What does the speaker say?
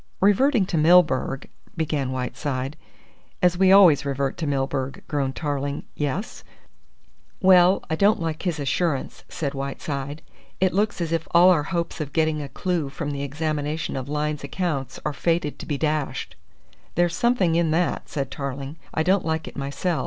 "Reverting to Milburgh," began Whiteside. "As we always revert to Milburgh," groaned Tarling. "Yes?" "Well, I don't like his assurance," said Whiteside. "It looks as if all our hopes of getting a clue from the examination of Lyne's accounts are fated to be dashed." "There's something in that," said Tarling. "I don't like it myself.